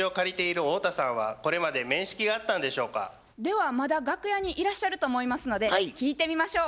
ではまだ楽屋にいらっしゃると思いますので聞いてみましょう。